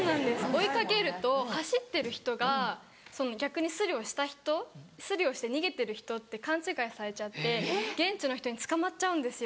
追いかけると走ってる人が逆にすりをした人すりをして逃げてる人って勘違いされちゃって現地の人に捕まっちゃうんですよ。